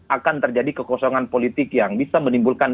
akan terjadi kekosongan politik yang bisa menimbulkan